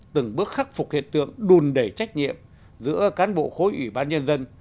từng bước khắc phục hiện tượng đùn đẩy trách nhiệm giữa cán bộ khối ủy ban nhân dân